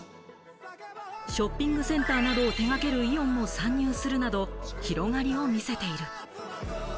ショッピングセンターなどを手がけるイオンも参入するなど、広がりを見せている。